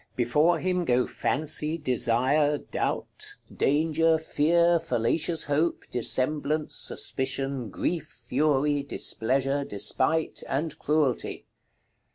Before him go Fancy, Desire, Doubt, Danger, Fear, Fallacious Hope, Dissemblance, Suspicion, Grief, Fury, Displeasure, Despite, and Cruelty.